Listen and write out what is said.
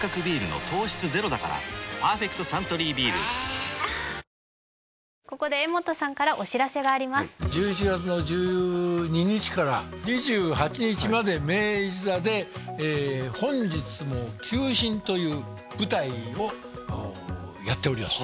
このあと柄本さんの１１月の１２日から２８日まで明治座で「本日も休診」という舞台をやっております